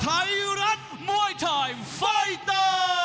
ไทยรัฐมวยไทยไฟเตอร์